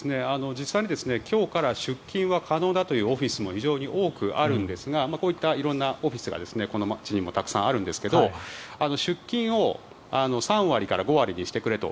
実際に今日から出勤は可能だというオフィスも非常に多くあるんですがこういった色んなオフィスがこの街にもたくさんあるんですが出勤を３割から５割にしてくれと。